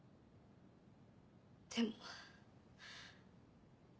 でも。